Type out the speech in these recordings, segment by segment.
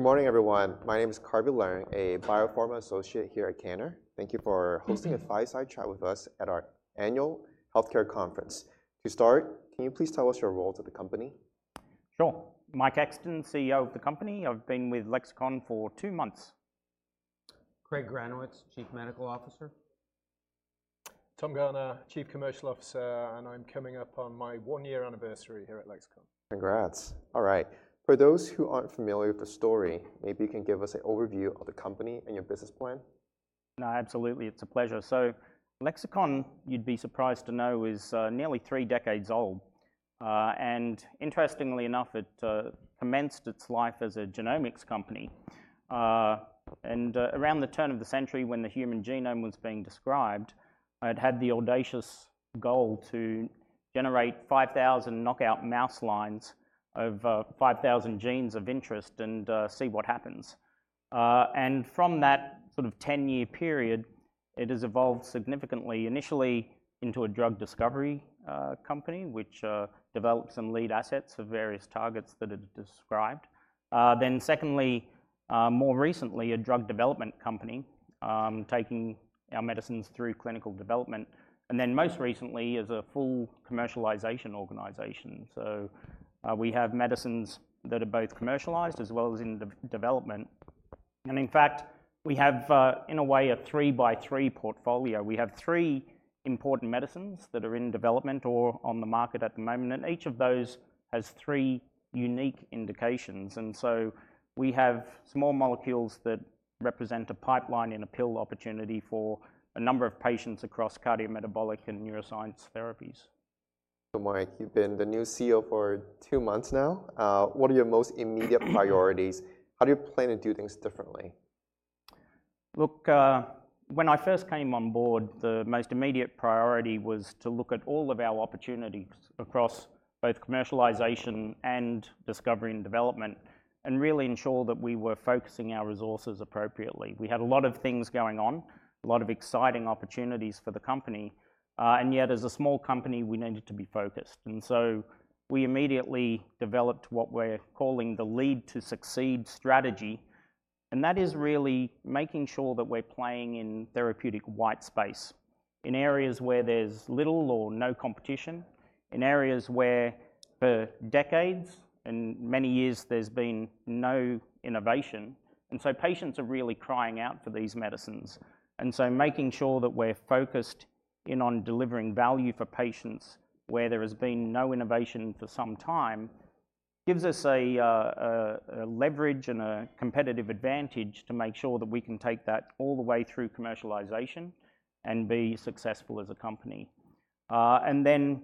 Good morning, everyone. My name is Carvey Leung, a biopharma associate here at Canaccord. Thank you for hosting a fireside chat with us at our annual healthcare conference. To start, can you please tell us your role to the company? Sure. Mike Exton, CEO of the company. I've been with Lexicon for two months. Craig Granowitz, Chief Medical Officer. Tom Garner, Chief Commercial Officer, and I'm coming up on my one-year anniversary here at Lexicon. Congrats! All right. For those who aren't familiar with the story, maybe you can give us an overview of the company and your business plan. No, absolutely, it's a pleasure. So Lexicon, you'd be surprised to know, is nearly three decades old. And interestingly enough, it commenced its life as a genomics company. And around the turn of the century, when the human genome was being described, it had the audacious goal to generate 5,000 knockout mouse lines of 5,000 genes of interest and see what happens. And from that sort of 10-year period, it has evolved significantly, initially into a drug discovery company, which developed some lead assets for various targets that it had described. Then secondly, more recently, a drug development company taking our medicines through clinical development, and then most recently, as a full commercialization organization. So we have medicines that are both commercialized as well as in development. In fact, we have, in a way, a three-by-three portfolio. We have three important medicines that are in development or on the market at the moment, and each of those has three unique indications, so we have small molecules that represent a pipeline and a pill opportunity for a number of patients across cardiometabolic and neuroscience therapies. So Mike, you've been the new CEO for two months now. What are your most immediate priorities? How do you plan to do things differently? Look, when I first came on board, the most immediate priority was to look at all of our opportunities across both commercialization and discovery and development, and really ensure that we were focusing our resources appropriately. We had a lot of things going on, a lot of exciting opportunities for the company, and yet, as a small company, we needed to be focused. And so we immediately developed what we're calling the Lead to Succeed strategy, and that is really making sure that we're playing in therapeutic white space, in areas where there's little or no competition, in areas where, for decades and many years, there's been no innovation, and so patients are really crying out for these medicines. And so making sure that we're focused in on delivering value for patients where there has been no innovation for some time, gives us a leverage and a competitive advantage to make sure that we can take that all the way through commercialization and be successful as a company. And then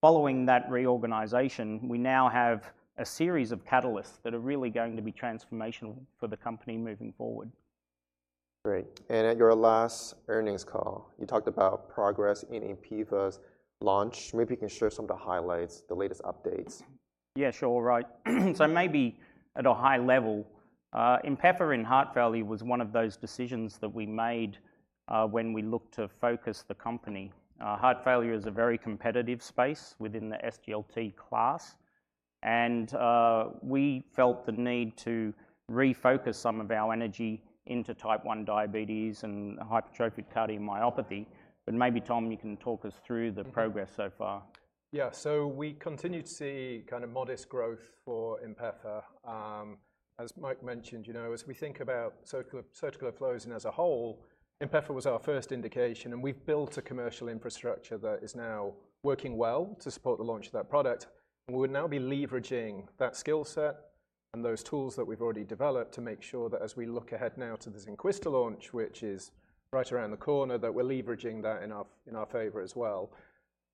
following that reorganization, we now have a series of catalysts that are really going to be transformational for the company moving forward. Great. And at your last earnings call, you talked about progress in INPEFA's launch. Maybe you can share some of the highlights, the latest updates. Yeah, sure. All right. So maybe at a high level, INPEFA in heart failure was one of those decisions that we made, when we looked to focus the company. Heart failure is a very competitive space within the SGLT class, and, we felt the need to refocus some of our energy into type 1 diabetes and hypertrophic cardiomyopathy. But maybe, Tom, you can talk us through the progress so far. Yeah. So we continued to see kind of modest growth for INPEFA. As Mike mentioned, you know, as we think about circular flows and as a whole, INPEFA was our first indication, and we've built a commercial infrastructure that is now working well to support the launch of that product. And we'll now be leveraging that skill set and those tools that we've already developed to make sure that as we look ahead now to the Zynquista launch, which is right around the corner, that we're leveraging that in our favor as well.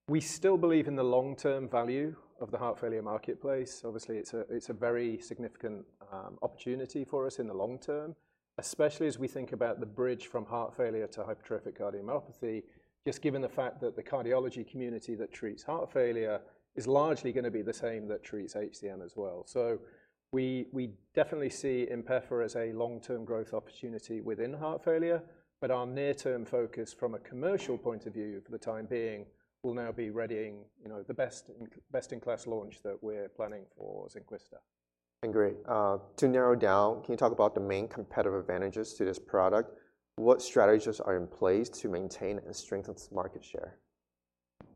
We still believe in the long-term value of the heart failure marketplace. Obviously, it's a very significant opportunity for us in the long term, especially as we think about the bridge from heart failure to hypertrophic cardiomyopathy, just given the fact that the cardiology community that treats heart failure is largely gonna be the same that treats HCM as well. So we definitely see INPEFA as a long-term growth opportunity within heart failure, but our near-term focus from a commercial point of view, for the time being, will now be readying, you know, the best-in-class launch that we're planning for Zynquista. Great. To narrow down, can you talk about the main competitive advantages to this product? What strategies are in place to maintain and strengthen its market share?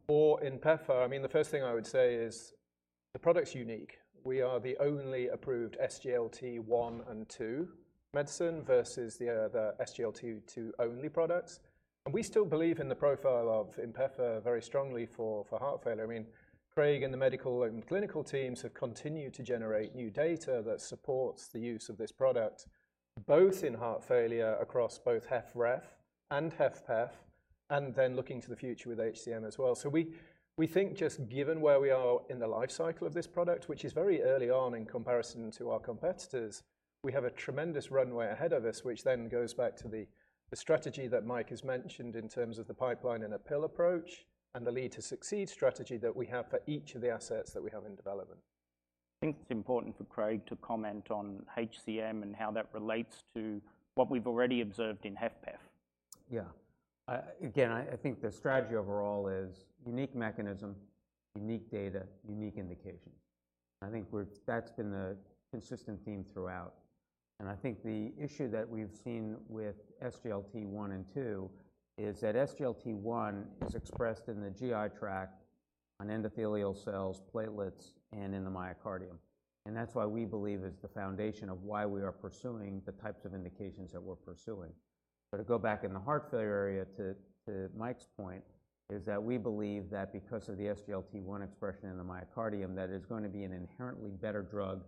For INPEFA, I mean, the first thing I would say is the product's unique. We are the only approved SGLT1 and 2 medicine versus the, the SGLT2 only products. And we still believe in the profile of INPEFA very strongly for, for heart failure. I mean, Craig and the medical and clinical teams have continued to generate new data that supports the use of this product, both in heart failure across both HFrEF and HFpEF, and then looking to the future with HCM as well. So we think just given where we are in the life cycle of this product, which is very early on in comparison to our competitors, we have a tremendous runway ahead of us, which then goes back to the strategy that Mike has mentioned in terms of the pipeline in a pill approach and the Lead to Succeed strategy that we have for each of the assets that we have in development. I think it's important for Craig to comment on HCM and how that relates to what we've already observed in HFpEF. Yeah. Again, I think the strategy overall is unique mechanism, unique data, unique indication. I think that's been the consistent theme throughout, and I think the issue that we've seen with SGLT1 and SGLT2 is that SGLT1 is expressed in the GI tract on endothelial cells, platelets, and in the myocardium. And that's why we believe is the foundation of why we are pursuing the types of indications that we're pursuing. But to go back in the heart failure area, to Mike's point, is that we believe that because of the SGLT1 expression in the myocardium, that it's going to be an inherently better drug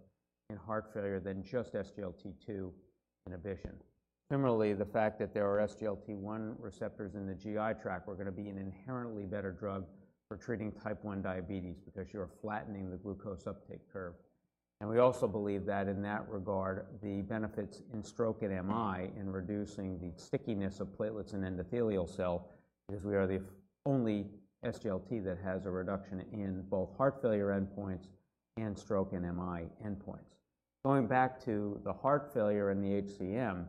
in heart failure than just SGLT2 inhibition. Similarly, the fact that there are SGLT1 receptors in the GI tract, we're gonna be an inherently better drug for treating type 1 diabetes because you're flattening the glucose uptake curve. We also believe that in that regard, the benefits in stroke and MI in reducing the stickiness of platelets and endothelial cell is we are the only SGLT that has a reduction in both heart failure endpoints and stroke and MI endpoints. Going back to the heart failure and the HCM,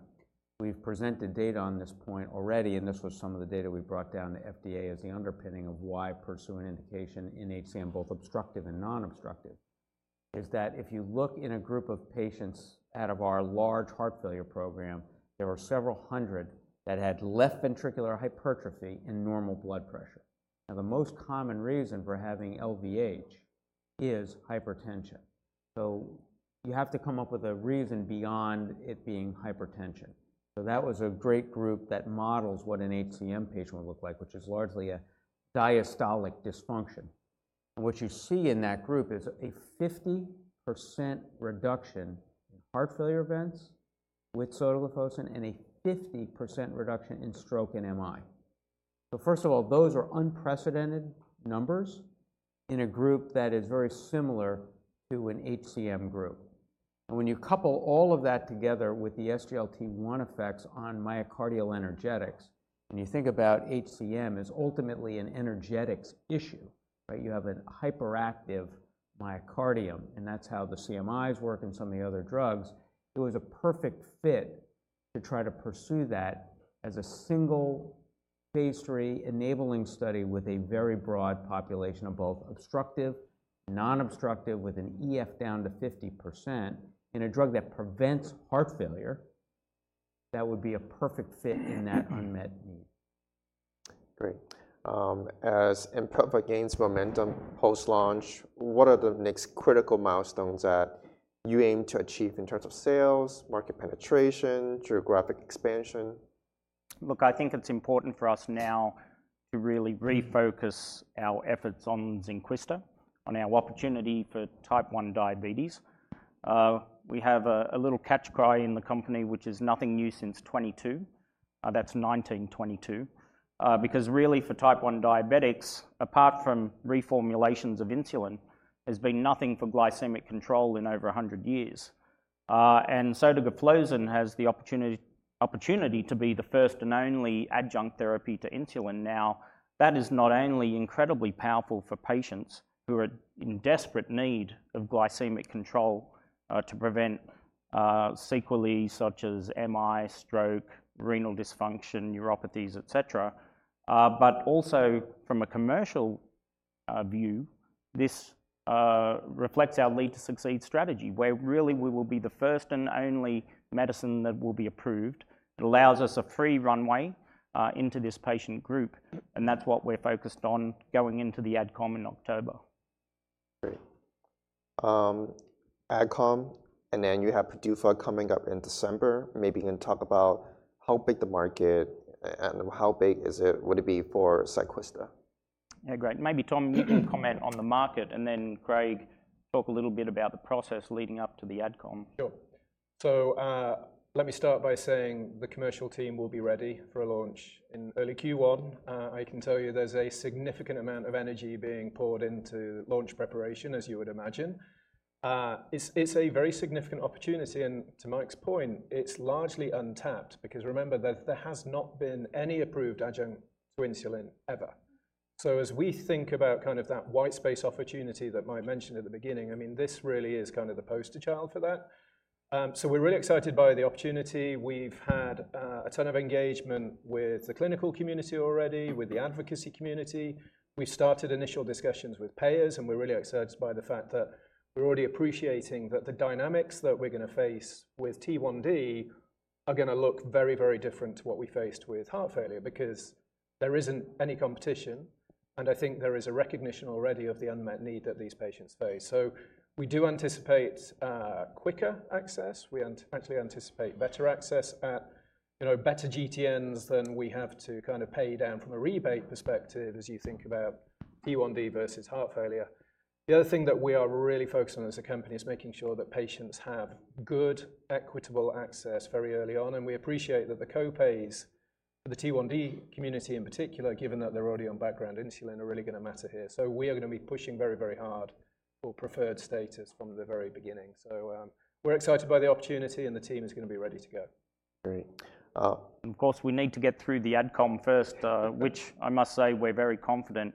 we've presented data on this point already, and this was some of the data we brought down to FDA as the underpinning of why pursuing indication in HCM, both obstructive and non-obstructive, is that if you look in a group of patients out of our large heart failure program, there were several hundred that had left ventricular hypertrophy and normal blood pressure. Now, the most common reason for having LVH is hypertension, so you have to come up with a reason beyond it being hypertension. So that was a great group that models what an HCM patient would look like, which is largely a diastolic dysfunction. And what you see in that group is a 50% reduction in heart failure events with sotagliflozin and a 50% reduction in stroke and MI. So first of all, those are unprecedented numbers in a group that is very similar to an HCM group. And when you couple all of that together with the SGLT1 effects on myocardial energetics, and you think about HCM as ultimately an energetics issue, right? You have a hyperactive myocardium, and that's how the CMIs work and some of the other drugs. It was a perfect fit to try to pursue that as a single phase III enabling study with a very broad population of both obstructive, non-obstructive, with an EF down to 50% in a drug that prevents heart failure. That would be a perfect fit in that unmet need. Great. As INPEFA gains momentum post-launch, what are the next critical milestones that you aim to achieve in terms of sales, market penetration, geographic expansion? Look, I think it's important for us now to really refocus our efforts on Zynquista, on our opportunity for type 1 diabetes. We have a little catchcry in the company, which is nothing new since 22, that's 1922. Because really, for type one diabetics, apart from reformulations of insulin, there's been nothing for glycemic control in over a 100 years, and sotagliflozin has the opportunity to be the first and only adjunct therapy to insulin. Now, that is not only incredibly powerful for patients who are in desperate need of glycemic control, to prevent sequelae such as MI, stroke, renal dysfunction, neuropathies, et cetera, but also from a commercial view, this reflects our Lead to Succeed strategy, where really we will be the first and only medicine that will be approved. It allows us a free runway into this patient group, and that's what we're focused on going into the AdCom in October. Great. AdCom, and then you have PDUFA coming up in December. Maybe you can talk about how big the market and how big is it-- would it be for Zynquista? Yeah, great. Maybe Tom, you can comment on the market, and then, Craig, talk a little bit about the process leading up to the AdCom. Sure. So, let me start by saying the commercial team will be ready for a launch in early Q1. I can tell you there's a significant amount of energy being poured into launch preparation, as you would imagine. It's a very significant opportunity, and to Mike's point, it's largely untapped because remember that there has not been any approved adjunct to insulin ever. So as we think about kind of that white space opportunity that Mike mentioned at the beginning, I mean, this really is kind of the poster child for that. So we're really excited by the opportunity. We've had a ton of engagement with the clinical community already, with the advocacy community. We started initial discussions with payers, and we're really excited by the fact that we're already appreciating that the dynamics that we're gonna face with T1D are gonna look very, very different to what we faced with heart failure because there isn't any competition, and I think there is a recognition already of the unmet need that these patients face. So we do anticipate quicker access. We actually anticipate better access at, you know, better GTNs than we have to kind of pay down from a rebate perspective, as you think about T1D versus heart failure. The other thing that we are really focused on as a company is making sure that patients have good, equitable access very early on, and we appreciate that the co-pays for the T1D community in particular, given that they're already on background insulin, are really gonna matter here. So we are gonna be pushing very, very hard for preferred status from the very beginning. So, we're excited by the opportunity, and the team is gonna be ready to go. Great. Uh- Of course, we need to get through the AdCom first, which I must say we're very confident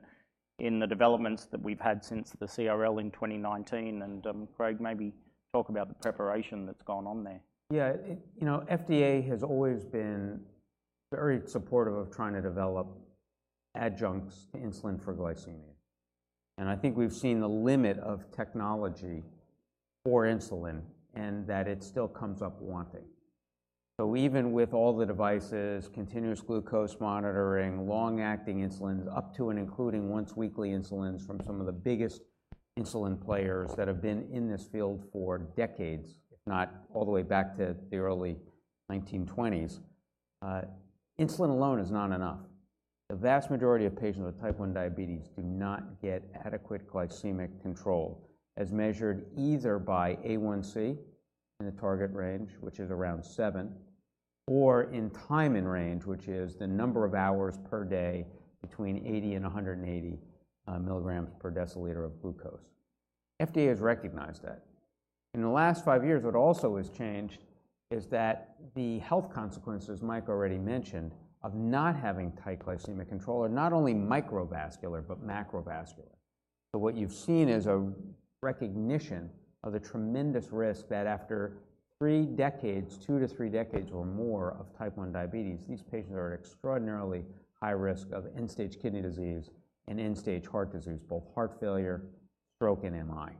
in the developments that we've had since the CRL in 2019, and, Craig, maybe talk about the preparation that's gone on there. Yeah, you know, FDA has always been very supportive of trying to develop adjuncts insulin for glycemia. And I think we've seen the limit of technology for insulin, and that it still comes up wanting. So even with all the devices, continuous glucose monitoring, long-acting insulins, up to and including once-weekly insulins from some of the biggest insulin players that have been in this field for decades, if not all the way back to the early 1920s, insulin alone is not enough. The vast majority of patients with Type 1 diabetes do not get adequate glycemic control, as measured either by A1c in the target range, which is around seven, or time in range, which is the number of hours per day between 80 and 180 mg/dL of glucose. FDA has recognized that. In the last five years, what also has changed is that the health consequences Mike already mentioned of not having tight glycemic control are not only microvascular but macrovascular. So what you've seen is a recognition of the tremendous risk that after three decades, two to three decades or more of Type 1 diabetes, these patients are at extraordinarily high risk of end-stage kidney disease and end-stage heart disease, both heart failure, stroke, and MI.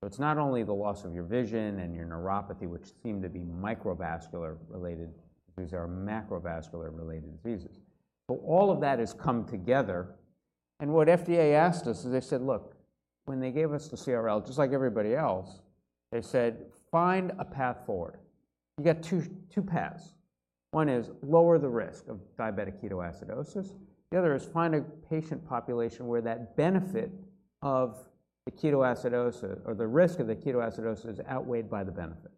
So it's not only the loss of your vision and your neuropathy, which seem to be microvascular related, these are macrovascular-related diseases. So all of that has come together, and what FDA asked us is, they said, "Look," when they gave us the CRL, just like everybody else, they said, "Find a path forward." You got two paths. One is lower the risk of diabetic ketoacidosis. The other is find a patient population where that benefit of the ketoacidosis or the risk of the ketoacidosis is outweighed by the benefit,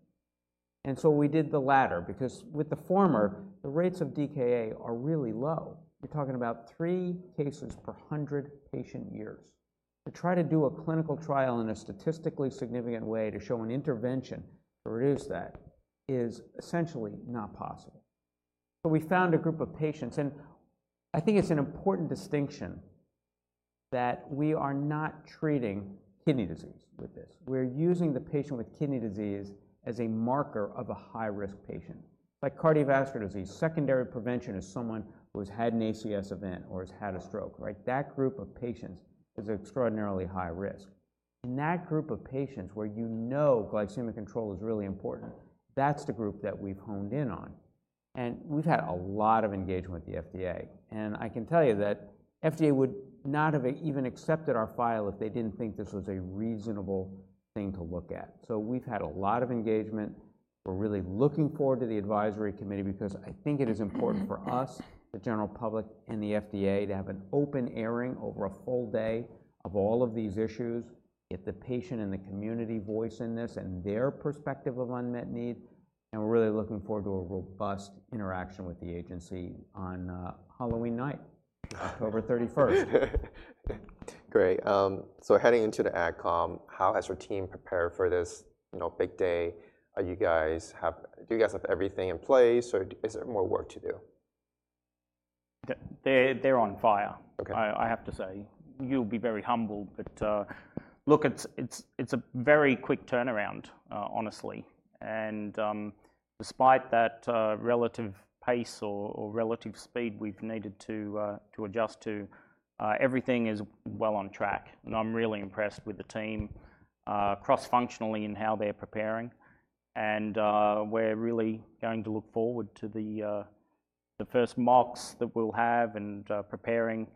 and so we did the latter because, with the former, the rates of DKA are really low. You're talking about three cases per 100 patient years. To try to do a clinical trial in a statistically significant way to show an intervention to reduce that is essentially not possible, but we found a group of patients, and I think it's an important distinction that we are not treating kidney disease with this. We're using the patient with kidney disease as a marker of a high-risk patient. Like cardiovascular disease, secondary prevention is someone who has had an ACS event or has had a stroke, right? That group of patients is extraordinarily high risk. In that group of patients where you know glycemic control is really important, that's the group that we've honed in on, and we've had a lot of engagement with the FDA. And I can tell you that FDA would not have even accepted our file if they didn't think this was a reasonable thing to look at. So we've had a lot of engagement. We're really looking forward to the advisory committee because I think it is important for us, the general public, and the FDA to have an open airing over a full day of all of these issues, get the patient and the community voice in this and their perspective of unmet need, and we're really looking forward to a robust interaction with the agency on Halloween night, October 31st. Great. So heading into the AdCom, how has your team prepared for this, you know, big day? Do you guys have everything in place, or is there more work to do? They're on fire, I have to say. You'll be very humble, but look, it's a very quick turnaround, honestly. And despite that relative pace or relative speed we've needed to adjust to, everything is well on track. And I'm really impressed with the team cross-functionally in how they're preparing. And we're really going to look forward to the first marks that we'll have and preparing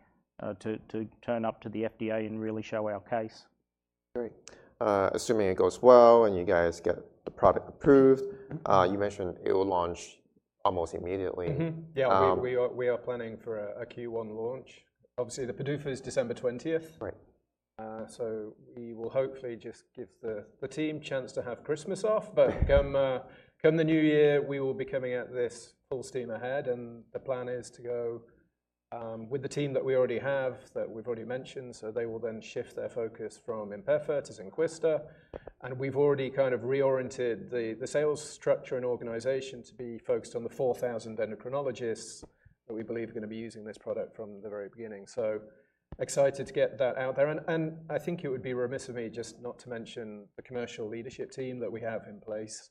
to turn up to the FDA and really show our case. Great. Assuming it goes well, and you guys get the product approved-You mentioned it will launch almost immediately. Mm-hmm. Yeah, we are planning for a Q1 launch. Obviously, the PDUFA is December 20th. Right. So we will hopefully just give the team a chance to have Christmas off. But come the new year, we will be coming at this full steam ahead, and the plan is to go with the team that we already have, that we've already mentioned. So they will then shift their focus from INPEFA to Zynquista, and we've already kind of reoriented the sales structure and organization to be focused on the 4,000 endocrinologists that we believe are gonna be using this product from the very beginning. So excited to get that out there, and I think it would be remiss of me just not to mention the commercial leadership team that we have in place.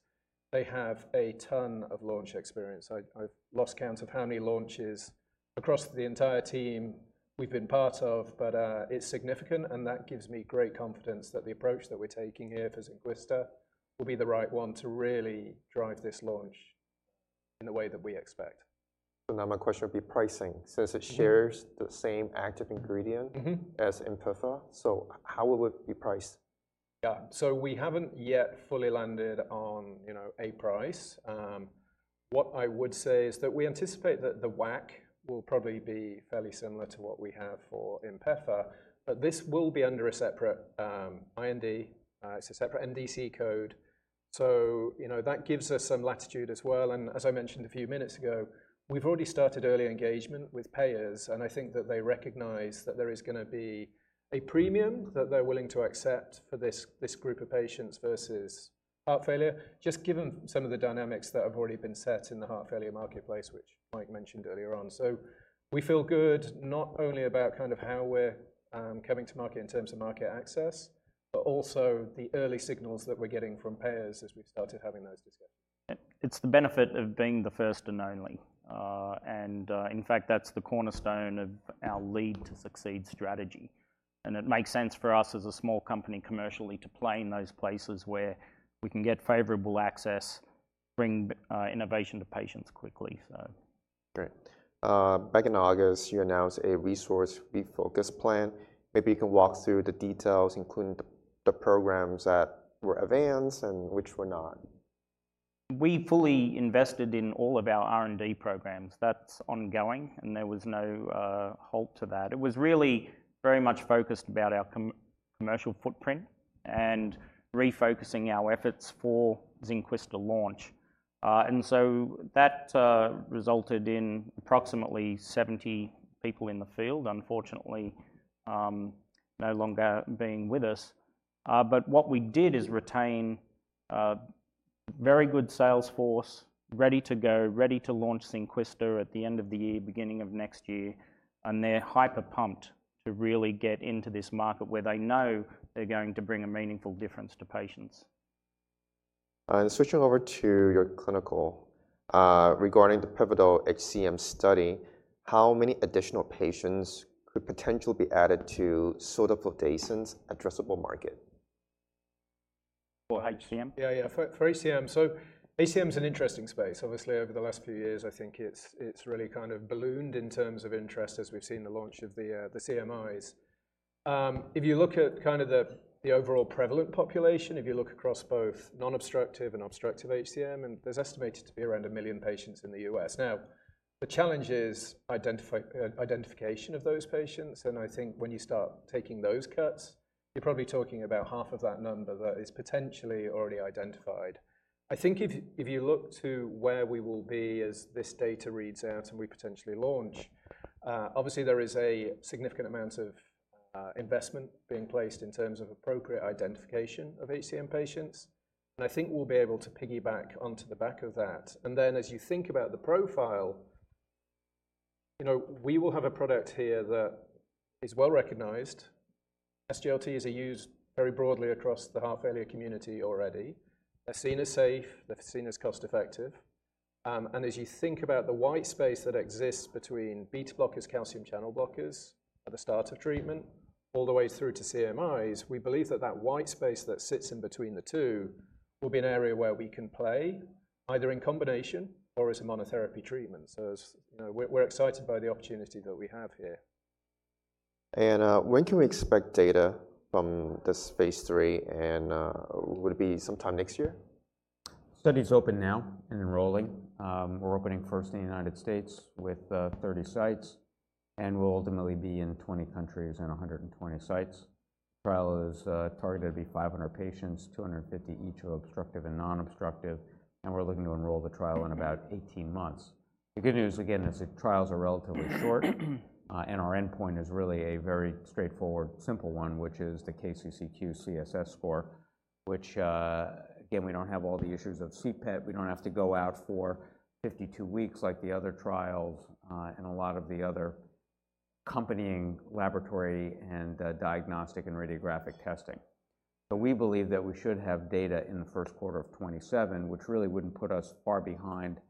They have a ton of launch experience. I've lost count of how many launches across the entire team we've been part of, but it's significant, and that gives me great confidence that the approach that we're taking here for Zynquista will be the right one to really drive this launch in the way that we expect. So now my question would be pricing? Since it shares the same active ingredient as INPEFA, so how will it be priced? Yeah. So we haven't yet fully landed on, you know, a price. What I would say is that we anticipate that the WAC will probably be fairly similar to what we have for INPEFA, but this will be under a separate IND. It's a separate NDC code, so, you know, that gives us some latitude as well. And as I mentioned a few minutes ago, we've already started early engagement with payers, and I think that they recognize that there is gonna be a premium that they're willing to accept for this, this group of patients versus heart failure, just given some of the dynamics that have already been set in the heart failure marketplace, which Mike mentioned earlier on. So we feel good not only about kind of how we're coming to market in terms of market access, but also the early signals that we're getting from payers as we've started having those discussions. It's the benefit of being the first and only. In fact, that's the cornerstone of our Lead to Succeed strategy, and it makes sense for us as a small company commercially to play in those places where we can get favorable access, bring innovation to patients quickly, so. Great. Back in August, you announced a resource refocus plan. Maybe you can walk through the details, including the programs that were advanced and which were not. We fully invested in all of our R&D programs. That's ongoing, and there was no halt to that. It was really very much focused about our commercial footprint and refocusing our efforts for Zynquista launch. And so that resulted in approximately 70 people in the field, unfortunately, no longer being with us. But what we did is retain a very good sales force, ready to go, ready to launch Zynquista at the end of the year, beginning of next year, and they're hyper pumped to really get into this market where they know they're going to bring a meaningful difference to patients. Switching over to your clinical, regarding the pivotal HCM study, how many additional patients could potentially be added to sotagliflozin's addressable market? For HCM? Yeah, yeah, for HCM, so HCM is an interesting space. Obviously, over the last few years, I think it's really kind of ballooned in terms of interest as we've seen the launch of the CMIs. If you look at kind of the overall prevalent population, if you look across both non-obstructive and obstructive HCM, and there's estimated to be around a million patients in the U.S. Now, the challenge is identification of those patients, and I think when you start taking those cuts, you're probably talking about half of that number that is potentially already identified. I think if you look to where we will be as this data reads out and we potentially launch, obviously there is a significant amount of investment being placed in terms of appropriate identification of HCM patients, and I think we'll be able to piggyback onto the back of that. And then, as you think about the profile, you know, we will have a product here that is well recognized. SGLTs are used very broadly across the heart failure community already. They're seen as safe, they're seen as cost-effective, and as you think about the white space that exists between beta blockers, calcium channel blockers at the start of treatment, all the way through to CMIs, we believe that that white space that sits in between the two will be an area where we can play, either in combination or as a monotherapy treatment. So as you know, we're excited by the opportunity that we have here. And, when can we expect data from the phase III, and, would it be sometime next year? Study is open now and enrolling. We're opening first in the United States with 30 sites, and we'll ultimately be in 20 countries and 120 sites. Trial is targeted to be 500 patients, 250 each of obstructive and non-obstructive, and we're looking to enroll the trial in about 18 months. The good news, again, is that trials are relatively short, and our endpoint is really a very straightforward, simple one, which is the KCCQ-CSS score, which, again, we don't have all the issues of CPET. We don't have to go out for 52 weeks like the other trials, and a lot of the other accompanying laboratory and diagnostic and radiographic testing. So we believe that we should have data in the first quarter of 2027, which really wouldn't put us far behind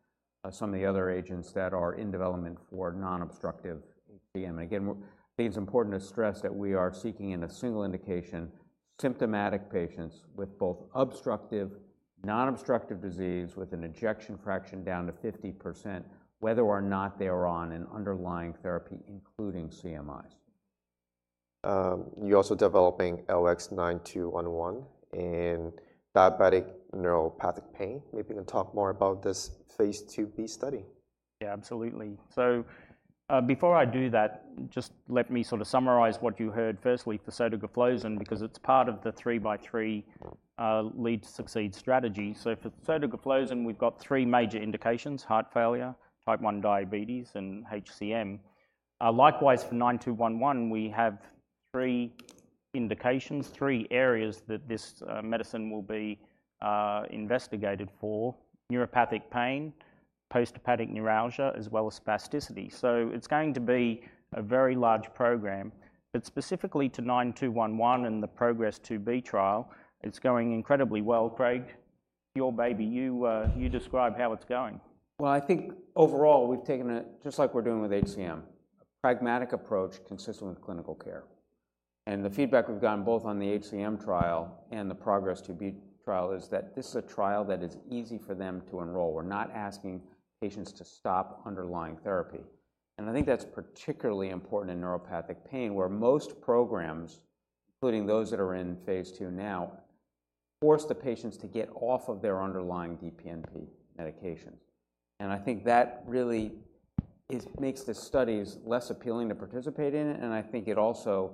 some of the other agents that are in development for non-obstructive HCM. And again, I think it's important to stress that we are seeking in a single indication, symptomatic patients with both obstructive, non-obstructive disease, with an ejection fraction down to 50%, whether or not they are on an underlying therapy, including CMIs. You're also developing LX9211 in diabetic neuropathic pain. Maybe you can talk more about this phase II-B study. Yeah, absolutely. So, before I do that, just let me sort of summarize what you heard firstly for sotagliflozin, because it's part of the three-by-three, lead to succeed strategy. So for sotagliflozin, we've got three major indications: heart failure, type one diabetes, and HCM. Likewise, for 9211, we have three indications, three areas that this, medicine will be, investigated for: neuropathic pain, postherpetic neuralgia, as well as spasticity. So it's going to be a very large program, but specifically to 9211 and the PROGRESS II-B trial, it's going incredibly well. Craig, your baby, you, you describe how it's going. I think overall, we've taken it just like we're doing with HCM, a pragmatic approach consistent with clinical care. And the feedback we've gotten both on the HCM trial and the PROGRESS II-B trial is that this is a trial that is easy for them to enroll. We're not asking patients to stop underlying therapy, and I think that's particularly important in neuropathic pain, where most programs, including those that are in phase II now, force the patients to get off of their underlying DPNP medications. And I think that really makes the studies less appealing to participate in, and I think it also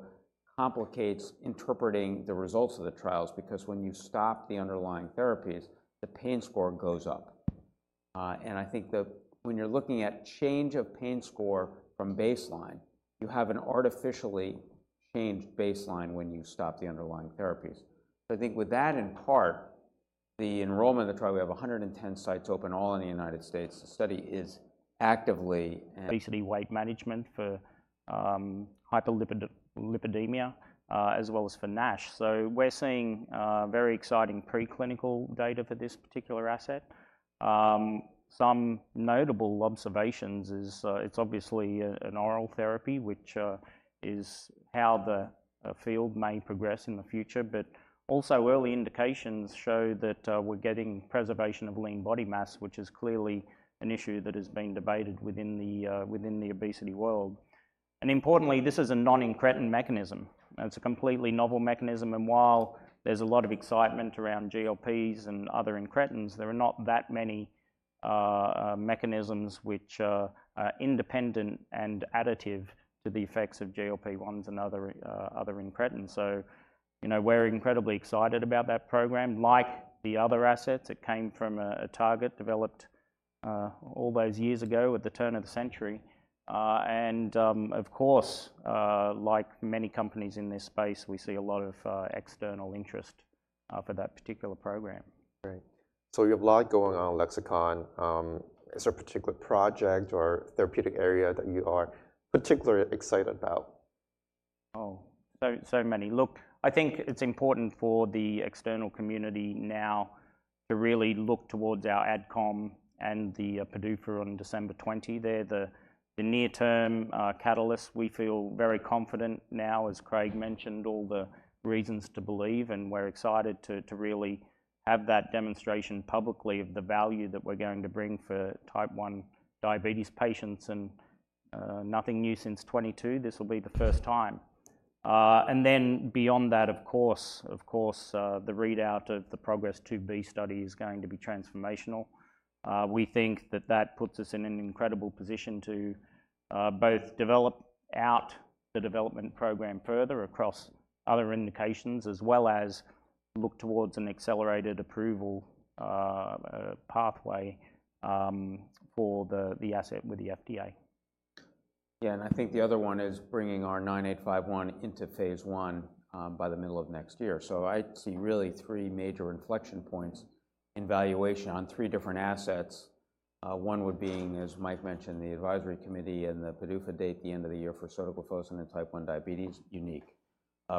complicates interpreting the results of the trials, because when you stop the underlying therapies, the pain score goes up. And I think that when you're looking at change of pain score from baseline, you have an artificially changed baseline when you stop the underlying therapies. So I think with that in part, the enrollment of the trial, we have 110 sites open, all in the United States. The study is actively and Obesity, weight management for hyperlipidemia, as well as for NASH. So we're seeing very exciting preclinical data for this particular asset. Some notable observations is it's obviously a oral therapy, which is how the field may progress in the future. But also, early indications show that we're getting preservation of lean body mass, which is clearly an issue that has been debated within the obesity world. And importantly, this is a non-incretin mechanism, and it's a completely novel mechanism. And while there's a lot of excitement around GLPs and other incretins, there are not that many mechanisms which are independent and additive to the effects of GLP-1s and other incretins. So, you know, we're incredibly excited about that program. Like the other assets, it came from a target developed all those years ago at the turn of the century. Of course, like many companies in this space, we see a lot of external interest for that particular program. Great. So you have a lot going on at Lexicon. Is there a particular project or therapeutic area that you are particularly excited about? Oh, so many. Look, I think it's important for the external community now to really look towards our AdCom and the PDUFA on December 20. They're the near-term catalyst. We feel very confident now, as Craig mentioned, all the reasons to believe, and we're excited to really have that demonstration publicly of the value that we're going to bring for Type 1 diabetes patients and nothing new since 2022, this will be the first time, and then beyond that, of course, the readout of the PROGRESS II-B study is going to be transformational. We think that puts us in an incredible position to both develop out the development program further across other indications, as well as look towards an accelerated approval pathway for the asset with the FDA. Yeah, and I think the other one is bringing our9851 into phase I by the middle of next year. So I see really three major inflection points in valuation on three different assets. One would being, as Mike mentioned, the advisory committee and the PDUFA date at the end of the year for sotagliflozin in Type 1 diabetes, unique.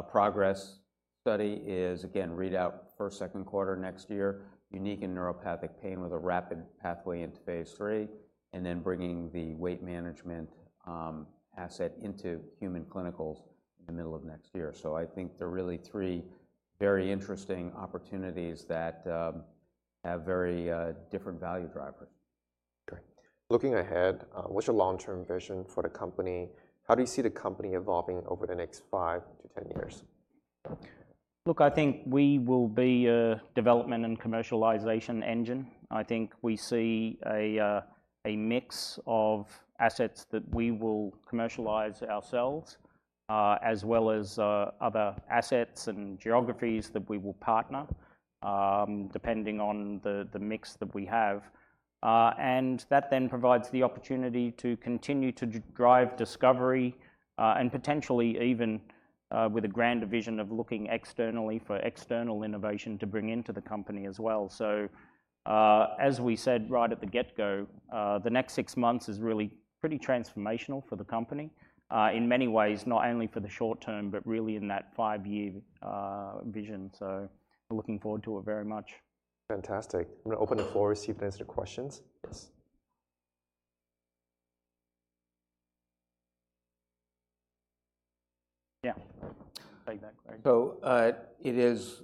PROGRESS study is, again, readout for second quarter next year, unique in neuropathic pain with a rapid pathway into phase III, and then bringing the weight management asset into human clinicals in the middle of next year. So I think there are really three very interesting opportunities that have very different value drivers. Great. Looking ahead, what's your long-term vision for the company? How do you see the company evolving over the next five to ten years? Look, I think we will be a development and commercialization engine. I think we see a mix of assets that we will commercialize ourselves, as well as other assets and geographies that we will partner, depending on the mix that we have, and that then provides the opportunity to continue to drive discovery, and potentially even with a grander vision of looking externally for external innovation to bring into the company as well, so as we said right at the get-go, the next six months is really pretty transformational for the company, in many ways, not only for the short term, but really in that five-year vision, so we're looking forward to it very much. Fantastic. I'm gonna open the floor to see if there are any questions. Yes. Yeah. Take that, Craig. So, it is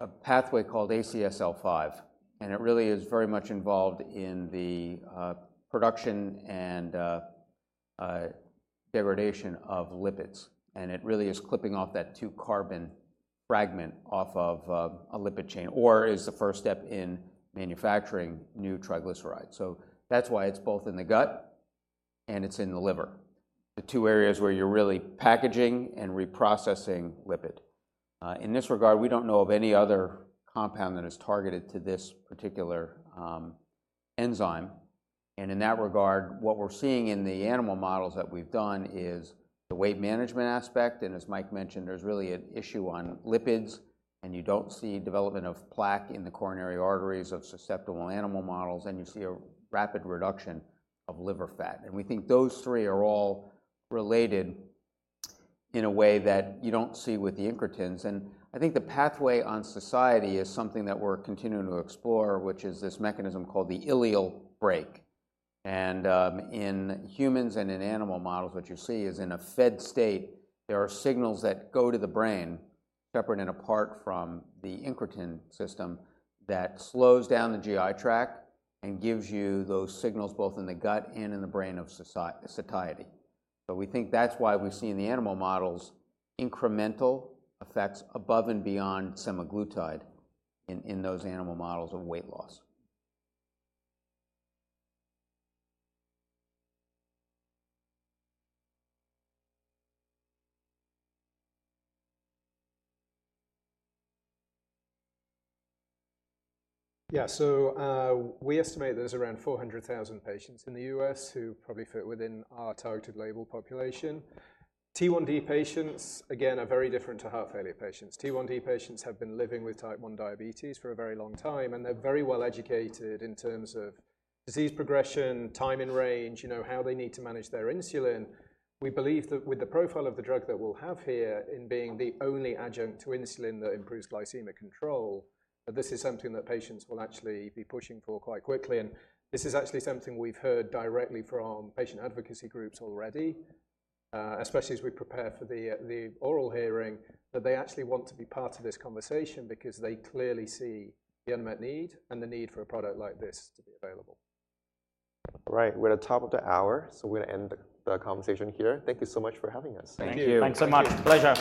a pathway called ACSL5, and it really is very much involved in the production and degradation of lipids, and it really is clipping off that two-carbon fragment off of a lipid chain, or is the first step in manufacturing new triglycerides. So that's why it's both in the gut, and it's in the liver, the two areas where you're really packaging and reprocessing lipid. In this regard, we don't know of any other compound that is targeted to this particular enzyme. And in that regard, what we're seeing in the animal models that we've done is the weight management aspect, and as Mike mentioned, there's really an issue on lipids, and you don't see development of plaque in the coronary arteries of susceptible animal models, and you see a rapid reduction of liver fat. We think those three are all related in a way that you don't see with the incretins. I think the pathway on satiety is something that we're continuing to explore, which is this mechanism called the ileal brake. In humans and in animal models, what you see is, in a fed state, there are signals that go to the brain, separate and apart from the incretin system, that slows down the GI tract and gives you those signals both in the gut and in the brain of satiety. We think that's why we see in the animal models incremental effects above and beyond semaglutide in those animal models of weight loss. Yeah, so we estimate there's around 400,000 patients in the U.S. who probably fit within our targeted label population. T1D patients, again, are very different to heart failure patients. T1D patients have been living with Type 1 diabetes for a very long time, and they're very well educated in terms of disease progression, time in range, you know, how they need to manage their insulin. We believe that with the profile of the drug that we'll have here, in being the only adjunct to insulin that improves glycemic control, that this is something that patients will actually be pushing for quite quickly, and this is actually something we've heard directly from patient advocacy groups already, especially as we prepare for the oral hearing, that they actually want to be part of this conversation because they clearly see the unmet need and the need for a product like this to be available. All right. We're at the top of the hour, so we're gonna end the conversation here. Thank you so much for having us. Thank you. Thanks so much. Pleasure.